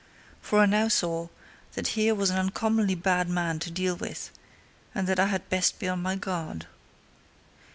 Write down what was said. For I now saw that here was an uncommonly bad man to deal with, and that I had best be on my guard.